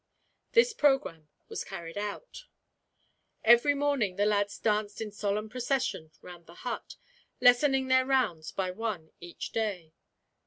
This programme was carried out. Every morning the lads danced in solemn procession round the hut, lessening their rounds by one each day.